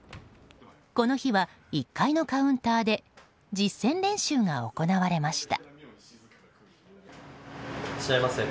この日は１階のカウンターで実践練習が行われました。